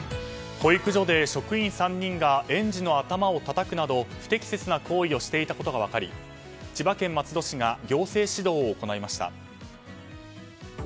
保育所で職員３が人が園児の頭をたたくなど不適切な行為をしていたことが分かり千葉県松戸市が行政指導を行いました。